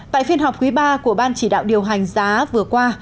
tại phiên họp quý ba của ban chỉ đạo điều hành giá vừa qua